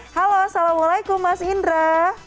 halo assalamualaikum mas indra